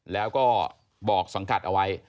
แล้วก็บอกสังกัดเอาไว้